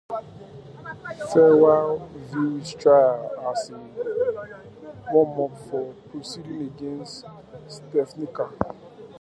Phayer views his trial as a "warm-up for proceedings against Stepinac".